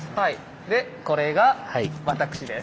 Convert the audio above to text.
でこれが私です。